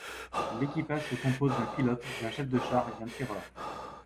L'équipage se compose d'un pilote, d'un chef de char et d'un tireur.